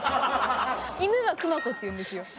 犬はくまこっていうんですよ。